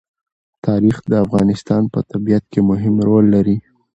تاریخ د افغانستان په طبیعت کې مهم رول لري.